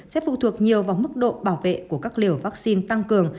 sẽ phụ thuộc nhiều vào mức độ bảo vệ của các liều vắc xin tăng cường